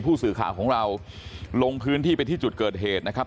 ผู้สื่อข่าวของเราลงพื้นที่ไปที่จุดเกิดเหตุนะครับ